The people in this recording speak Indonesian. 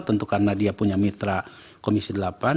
tentu karena dia punya mitra komisi delapan